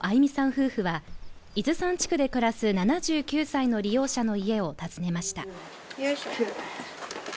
夫婦は伊豆山地区で暮らす７９歳の利用者の家を訪ねました。